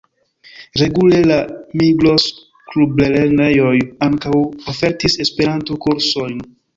Regule la Migros-Klublernejoj ankaŭ ofertis Esperanto-kursojn.